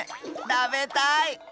たべたい！